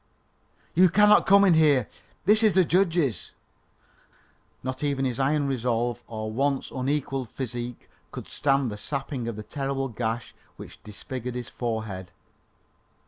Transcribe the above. "You cannot come in here. This is the judge's " Not even his iron resolve or once unequalled physique could stand the sapping of the terrible gash which disfigured his forehead.